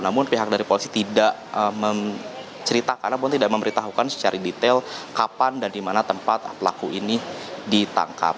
namun pihak dari polisi tidak menceritakan ataupun tidak memberitahukan secara detail kapan dan di mana tempat pelaku ini ditangkap